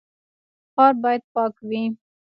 ښار باید پاک وي